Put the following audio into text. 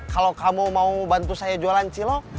kalau kamu mau bantu saya jualan cilok